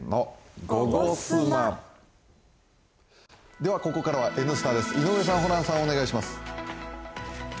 ではここからは「Ｎスタ」です井上さん、ホランさん。